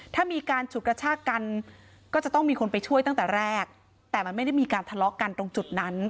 ถ้ามีการฉุดกระชากกันก็จะต้องมีคนไปช่วยตั้งแต่แรกแต่มันไม่ได้มีการทะเลาะกันตรงจุดนั้น